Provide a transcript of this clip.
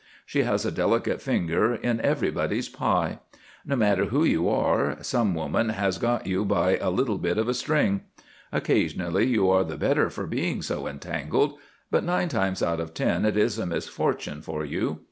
She has a delicate finger in everybody's pie. No matter who you are, some woman has got you by a little bit of string. Occasionally you are the better for being so entangled; but nine times out of ten it is a misfortune for you.